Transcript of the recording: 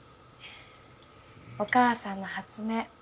お母さんの発明。